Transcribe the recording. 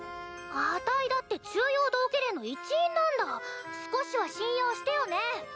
・あたいだって中庸道化連の一員なんだ・・少しは信用してよね！